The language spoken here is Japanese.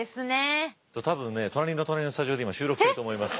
多分ね隣の隣のスタジオで今収録していると思います。